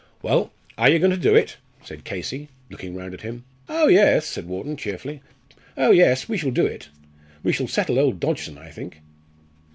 "Well, are you going to do it?" said Casey, looking round at him. "Oh, yes!" said Wharton, cheerfully; "oh, yes! we shall do it. We shall settle old Dodgson, I think."